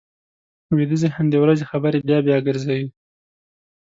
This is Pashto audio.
ویده ذهن د ورځې خبرې بیا بیا ګرځوي